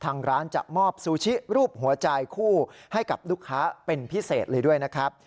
ทางร้านจะมอบซูชิรูปหัวใจคู่ให้กับลูกค้าเป็นพิเศษเลยด้วยนะครับ